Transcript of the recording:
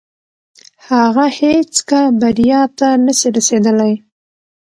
هغه هيڅکه بريا ته نسي رسيدلاي.